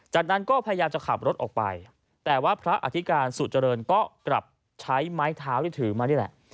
จากนั้นก็พยายามจะขับรถออกไปแต่ว่าพระอธิการสุเจริญก็กลับใช้ไม้เท้าที่ถือมานี่แหละ